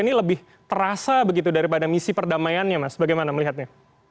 ini lebih terasa begitu daripada misi perdamaiannya mas bagaimana melihatnya